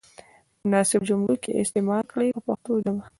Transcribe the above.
په مناسبو جملو کې یې استعمال کړئ په پښتو ژبه.